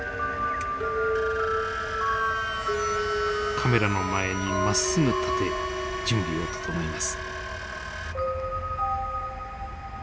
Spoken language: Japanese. カメラの前にまっすぐ立て準備を整えます。